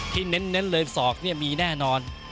ที่เน้นเลยศอกเนี่ยวินัดให้แน่นอน